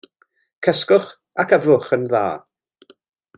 Cysgwch ac yfwch yn dda.